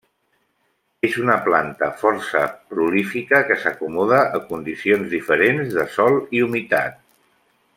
És una planta força prolífica que s'acomoda a condicions diferents de sòl i humitat.